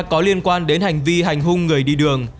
có liên quan đến hành vi hành hung người đi đường